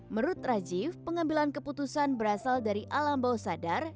menurut rajif pengambilan keputusan berasal dari alam bau sadar